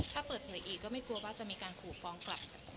ถ้าเปิดเผยอีกก็ไม่กลัวว่าจะมีการขู่ฟ้องกลับ